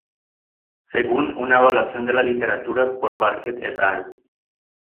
Según una evaluación de la literatura por Barker et al.